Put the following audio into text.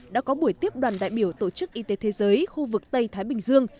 đã có buổi tiếp đoàn đại biểu tổ chức y tế thế giới khu vực tây thái bình dương